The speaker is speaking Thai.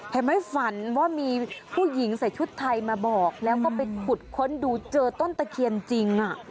เห็นไหมฝันว่ามีผู้หญิงใส่ชุดไทยมาบอกแล้วก็ไปขุดค้นดูเจอต้นตะเคียนจริง